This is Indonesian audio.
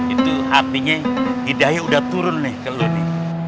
itu hatinya hidayahnya udah turun nih ke lu nih